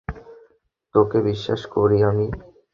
তোকে বিশ্বাস করি আমি!